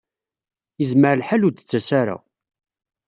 Yezmer lḥal ur d-tettas ara.